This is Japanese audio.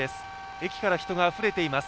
駅から人があふれています。